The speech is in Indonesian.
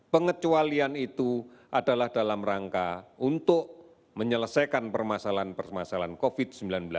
pengecualian itu adalah dalam rangka untuk menyelesaikan permasalahan permasalahan covid sembilan belas